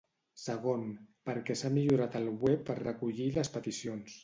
Segon, perquè s'ha millorat el web per recollir les peticions.